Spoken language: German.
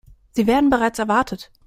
Sie werden bereits erwartet.